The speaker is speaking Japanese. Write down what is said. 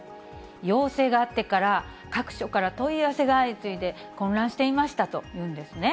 要請があってから、各所から問い合わせが相次いで混乱してましたというんですね。